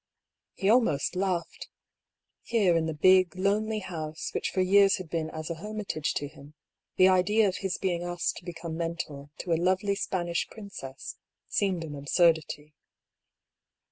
He almost laughed. Here, in the big, lonely house, which for years had been as a hermitage to him, the idea of his being asked to become mentor to a lovely Spanish princess seemed an absurdity.